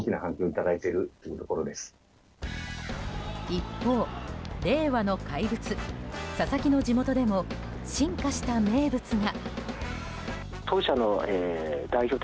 一方令和の怪物、佐々木の地元でも進化した名物が。